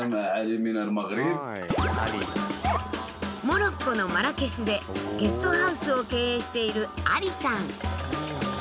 モロッコのマラケシュでゲストハウスを経営しているアリさん。